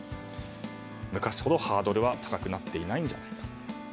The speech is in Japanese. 昔ほどハードルは高くなっていないんじゃないか。